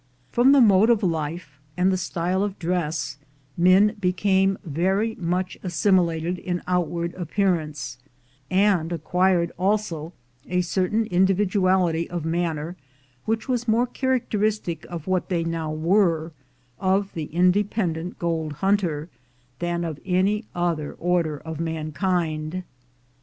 From the mode of life and the style of dress, men became very much assimilated in outward appear ance, and acquired also a certain individuality of manner, which was more characteristic of what they now were — of the independent gold hunter — than of any other order of mankind.